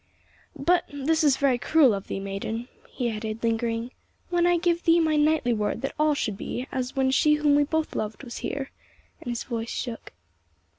"But this is very cruel of thee, maiden," he added, lingering, "when I give thee my knightly word that all should be as when she whom we both loved was here," and his voice shook.